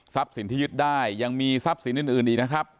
สินที่ยึดได้ยังมีทรัพย์สินอื่นอีกนะครับ